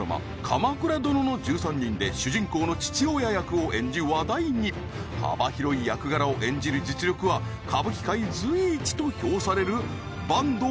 鎌倉殿の１３人で主人公の父親役を演じ話題に幅広い役柄を演じる実力は歌舞伎界随一と評される坂東